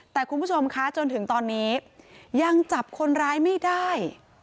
แต่คุณผู้ชมคะจนถึงตอนนี้ยังจับคนร้ายไม่ได้